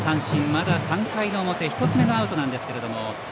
まだ３回の表、１つ目のアウトなんですけれども。